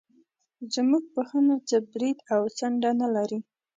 زموږ پوهنه څه برید او څنډه نه لري.